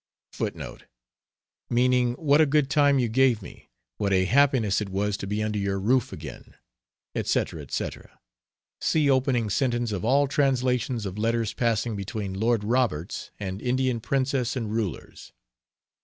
[Meaning "What a good time you gave me; what a happiness it was to be under your roof again; etc., etc." See opening sentence of all translations of letters passing between Lord Roberts and Indian princes and rulers.